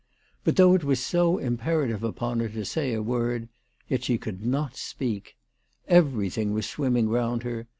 But though it was so imperative upon her to say a word, yet she could not speak. Everything was swimming round her.